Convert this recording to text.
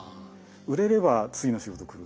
売れれば次の仕事来る。